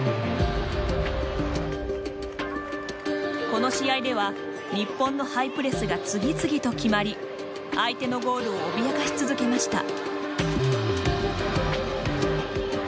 この試合では日本のハイプレスが次々と決まり相手のゴールを脅かし続けました。